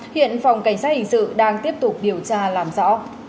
hiện phòng cảnh sát hình sự đang tiếp tục điều tra làm rõ